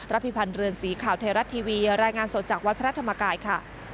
พิพันธ์เรือนสีข่าวไทยรัฐทีวีรายงานสดจากวัดพระธรรมกายค่ะ